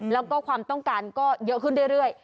แล้วก็ความต้องการก็เยอะขึ้นเรื่อย